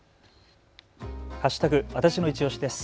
わたしのいちオシです。